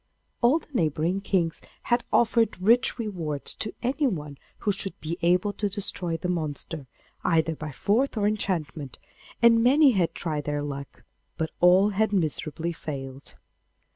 All the neighbouring kings had offered rich rewards to anyone who should be able to destroy the monster, either by force or enchantment, and many had tried their luck, but all had miserably failed.